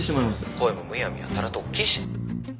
声もむやみやたらと大きいし。